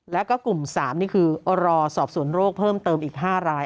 แล้วก็กลุ่ม๓นี่คือรอสอบสวนโรคเพิ่มเติมอีก๕ราย